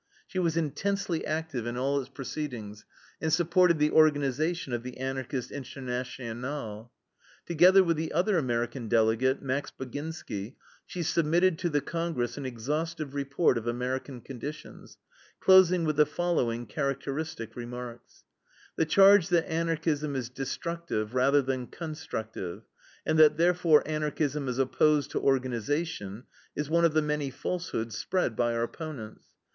She was intensely active in all its proceedings and supported the organization of the Anarchist INTERNATIONALE. Together with the other American delegate, Max Baginski, she submitted to the congress an exhaustive report of American conditions, closing with the following characteristic remarks: "The charge that Anarchism is destructive, rather than constructive, and that, therefore, Anarchism is opposed to organization, is one of the many falsehoods spread by our opponents.